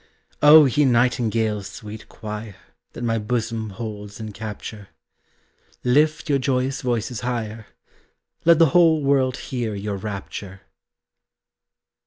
Oh ye nightingales' sweet choir, That my bosom holds in capture, Lift your joyous voices higher, Let the whole world hear your rapture!